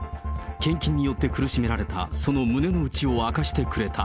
献金によって苦しめられたその胸の内を明かしてくれた。